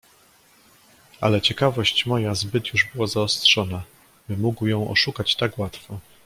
"Ale ciekawość moja zbyt już była zaostrzona, by mógł ją oszukać tak łatwo."